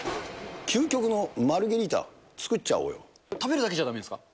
究極のマルゲリータ、作っち食べるだけじゃだめですか。